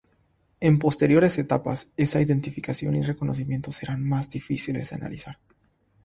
En posteriores etapas, esa identificación y reconocimientos serán más difíciles de analizar.